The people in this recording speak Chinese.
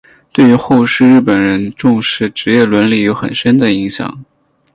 对于后世日本人重视职业伦理有很深的影响。